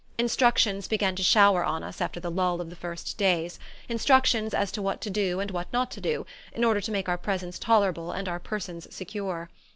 Instructions began to shower on us after the lull of the first days: instructions as to what to do, and what not to do, in order to make our presence tolerable and our persons secure.